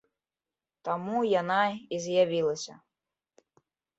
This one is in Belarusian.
Таму яна і з'явілася.